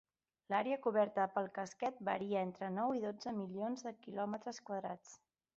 L'àrea coberta pel casquet varia entre nou i dotze milions de quilòmetres quadrats.